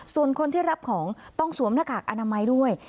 ส่วนคนที่รับของต้องสวมหน้ากากอนามัยด้วย